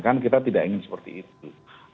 kan kita tidak ingin seperti itu